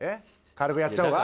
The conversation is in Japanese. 軽くやっちゃおうか？